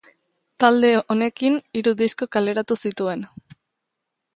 Talde honekin hiru disko kaleratu zituen.